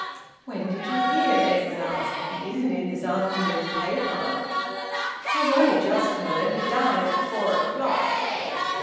"When did you hear?" Edwin asked. "It isn't in this afternoon's paper." "I've only just heard. He died at four o'clock."